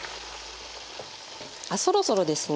あそろそろですね。